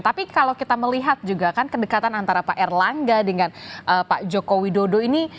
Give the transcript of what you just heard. tapi kalau kita melihat juga kan kedekatan antara pak erlangga dengan pak joko widodo ini